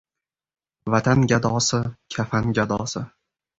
Vatan gadosi — kafan gadosi.